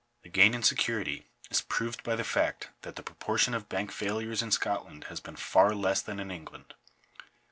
The gain in security is proved by the fact that the proportion of bank failures in Scotland has been far less than in England.